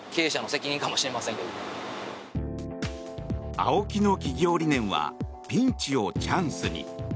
アオキの企業理念はピンチをチャンスに。